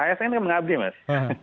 asn kan mengabdi mas